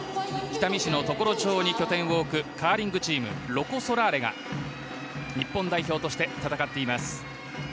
北見市の常呂町に拠点を置くカーリングチームロコ・ソラーレが日本代表として戦っています。